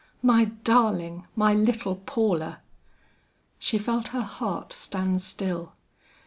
"My darling! my little Paula!" She felt her heart stand still.